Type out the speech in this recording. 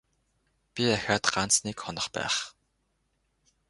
Би ахиад ганц нэг хонох байх.